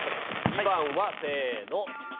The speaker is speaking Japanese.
２番はせーの。